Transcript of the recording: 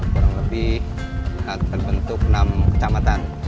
kurang lebih terbentuk enam kecamatan